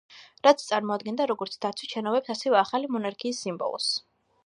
რაც წარმოადგენდა როგორც დაცვით შენობებს, ასევე ახალი მონარქიის სიმბოლოს.